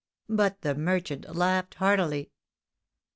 But the merchant laughed heartily."